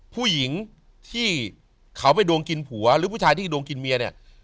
ผู้หญิงที่เขาไปดวงกินผัวหรือผู้ชายที่ดวงกินเมียเนี่ย